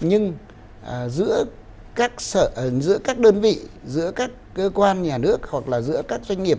nhưng giữa các đơn vị giữa các cơ quan nhà nước hoặc là giữa các doanh nghiệp